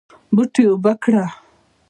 بوټي اوبه کړه